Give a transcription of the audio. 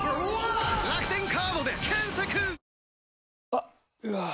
あっ、うわー。